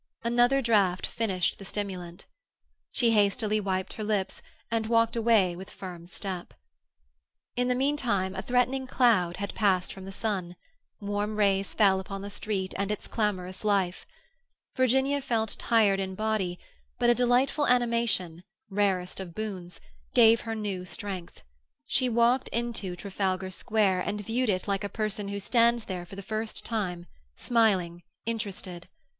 Another draught finished the stimulant. She hastily wiped her lips, and walked away with firm step. In the meantime a threatening cloud had passed from the sun; warm rays fell upon the street and its clamorous life. Virginia felt tired in body, but a delightful animation, rarest of boons, gave her new strength. She walked into Trafalgar Square and viewed it like a person who stands there for the first time, smiling, interested.